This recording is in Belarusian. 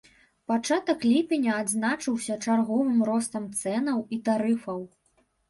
Пачатак ліпеня адзначыўся чарговым ростам цэнаў і тарыфаў.